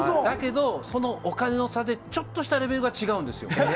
だけどそのお金の差でちょっとしたレベルが違うんですよ。